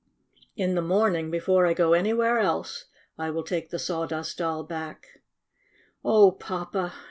In the morning, be fore I go anywhere else, I will take the Sawdust Doll back." "Oh, Papa